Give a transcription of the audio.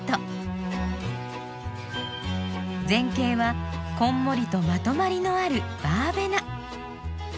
前景はこんもりとまとまりのあるバーベナ。